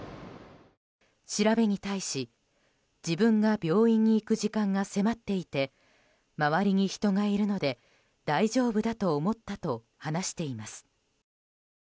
調べに対し、自分が病院に行く時間が迫っていて周りに人がいるので大丈夫だと思ったと話しています。